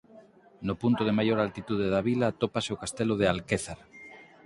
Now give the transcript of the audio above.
No punto de maior altitude da vila atópase o Castelo de Alquézar.